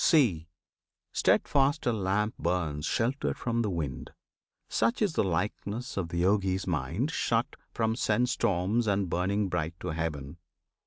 See! Steadfast a lamp burns sheltered from the wind; Such is the likeness of the Yogi's mind Shut from sense storms and burning bright to Heaven.